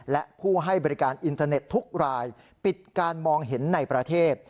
และผู้ให้บริการอินเทอร์เน็ตทุกรายปิดการมองเห็นในประเทศ